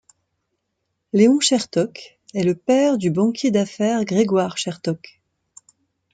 Léon Chertok est le père du banquier d'affaires Grégoire Chertok.